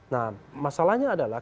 nah masalahnya adalah